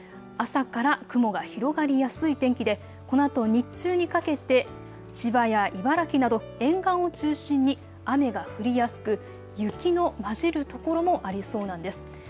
朝から雲が広がりやすい天気でこのあと日中にかけて千葉や茨城など沿岸を中心に雨が降りやすく雪の交じるところもありそうなんです。